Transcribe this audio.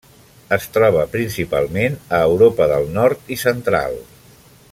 Es troba principalment a Europa del Nord i Central.